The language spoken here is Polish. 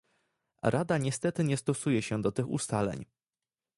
Rada niestety nie stosuje się do tych ustaleń